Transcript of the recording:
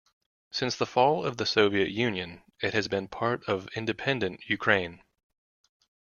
Since the fall of the Soviet Union, it has been part of independent Ukraine.